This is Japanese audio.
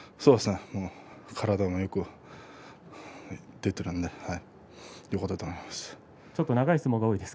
体もよく出ているのでよかったと思います。